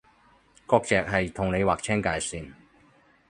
割蓆係同你劃清界線